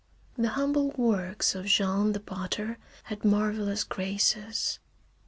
The humble works of Jean the potter had marvellous graces.